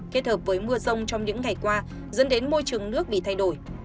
kết hợp với mưa rông trong những ngày qua dẫn đến môi trường nước bị thay đổi